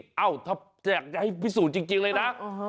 ถ้าอยากให้พิสูจน์จริงเลยนะ